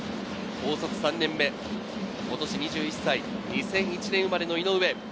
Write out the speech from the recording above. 高卒３年目、今年２１歳、２００１年生まれの井上。